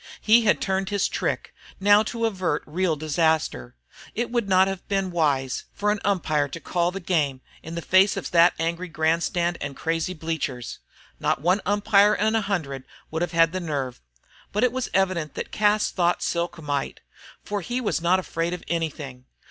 He had turned his trick; now to avert real disaster. It would not have been wise for an umpire to call the game in the face of that angry grandstand and crazy bleachers. Not one umpire in a hundred would have had the nerve. But it was evident that Cas thought Silk might, for he was not afraid of anything.